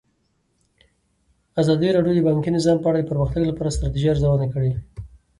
ازادي راډیو د بانکي نظام په اړه د پرمختګ لپاره د ستراتیژۍ ارزونه کړې.